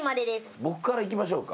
僕からいきましょうか？